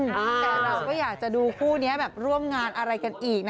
แต่เราก็อยากจะดูคู่นี้แบบร่วมงานอะไรกันอีกนะ